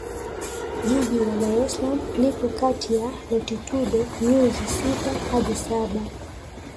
Jiji la Dar es Salaam lipo kati ya Latitudo nyuzi sita hadi saba